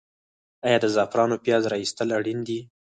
آیا د زعفرانو پیاز را ایستل اړین دي؟